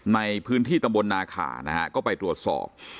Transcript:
ในพื้นที่ตำบลนาขานะฮะก็ไปตรวจสอบ